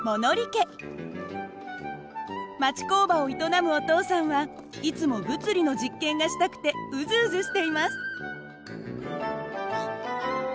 町工場を営むお父さんはいつも物理の実験がしたくてうずうずしています。